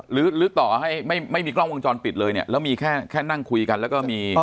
หรือต่อให้ไม่มีกล้องวงจรปิดเลยเนี่ยแล้วมีแค่แค่นั่งคุยกันแล้วก็มี